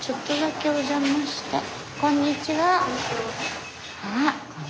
あこんにちは。